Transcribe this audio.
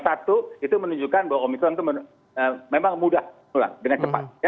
satu itu menunjukkan bahwa omikron itu memang mudah menular dengan cepat